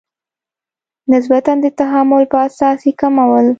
نسبتا د تحمل په اساس یې کمول.